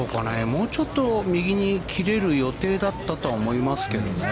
もうちょっと右に切れる予定だったとは思いますけどね。